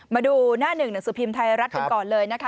มาดูหน้าหนึ่งหนังสือพิมพ์ไทยรัฐกันก่อนเลยนะคะ